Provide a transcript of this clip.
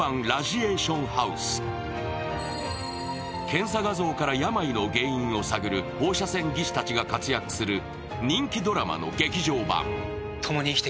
検査画像から病の原因を探る放射線技師たちが活躍する人気ドラマの劇場版。